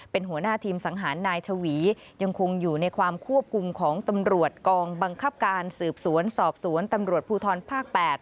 เป็นหัวหน้าทีมสังหารนายชวียังคงอยู่ในความควบคุมของตำรวจกองบังคับการสืบสวนสอบสวนตำรวจภูทรภาค๘